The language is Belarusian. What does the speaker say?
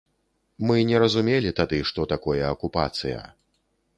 Мы не разумелі тады, што такое акупацыя.